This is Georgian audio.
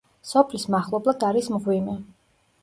სოფლის მახლობლად არის მღვიმე.